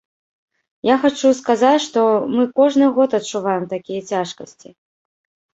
Я хачу сказаць, што мы кожны год адчуваем такія цяжкасці.